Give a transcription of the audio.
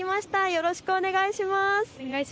よろしくお願いします。